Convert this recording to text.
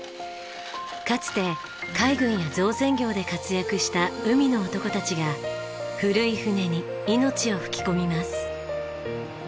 かつて海軍や造船業で活躍した海の男たちが古い船に命を吹き込みます。